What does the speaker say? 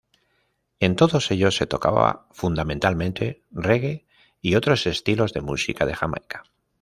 En todos ellos se tocaba fundamentalmente reggae y otros estilos de música de Jamaica.